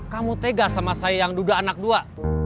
kamu tegas sama saya yang duda anak dua